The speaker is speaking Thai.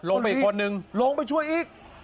อีกคนนึงลงไปช่วยอีก